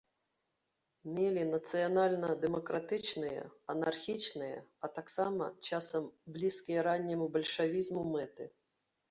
Мелі нацыянальна-дэмакратычныя, анархічныя, а таксама, часам, блізкія ранняму бальшавізму мэты.